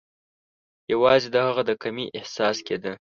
یوازي د هغه د کمۍ احساس کېده.